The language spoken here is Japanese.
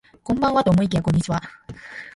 こんばんはと思いきやこんにちは